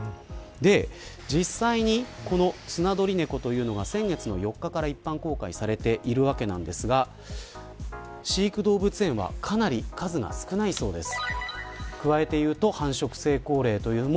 実際に、スナドリネコというのは先月の４日から一般公開されているわけなんですが飼育動物園はかなり数が少ないそうです。